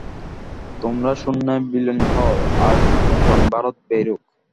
তোমরা শূন্যে বিলীন হও, আর নূতন ভারত বেরুক।